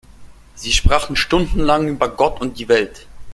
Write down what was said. Sie sprachen stundenlang über Gott und die Welt.